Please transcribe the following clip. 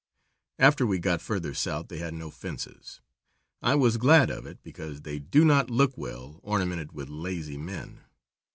After we got further south they had no fences. I was glad of it, because they do not look well ornamented with lazy men.